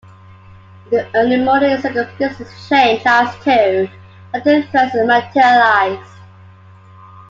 In the early morning, circumstances changed as two latent threats materialized.